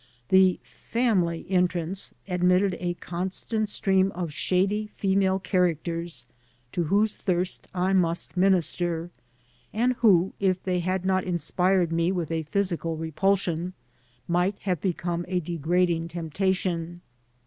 The "Family Entrance" admitted a constant stream of shady female characters to whose thirst I must minister, and who, if they had not inspired me with a physical repulsion, might have become a degrading temptation.